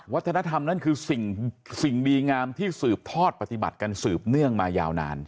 วัฒนธรรมนั่นคือสิ่งดีงามที่สืบทอดปฏิบัติกันสืบเนื่องมายาวนาน